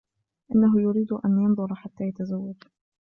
إنهُ يريد أن ينظر حتى يتزوج.